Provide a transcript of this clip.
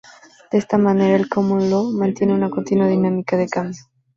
De esta manera el Common Law mantiene una continua dinámica de cambio.